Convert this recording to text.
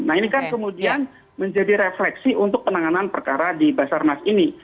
nah ini kan kemudian menjadi refleksi untuk penanganan perkara di basarnas ini